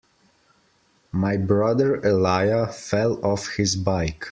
My brother Elijah fell off his bike.